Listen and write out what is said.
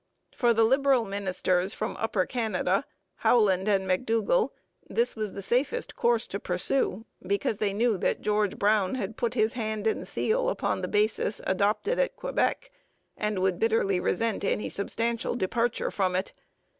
For the Liberal ministers from Upper Canada, Howland and McDougall, this was the safest course to pursue, because they knew that George Brown had put his hand and seal upon the basis adopted at Quebec and would bitterly resent any substantial departure from it.